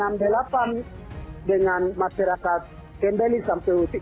antara enam puluh delapan dengan masyarakat tendeli sampai uti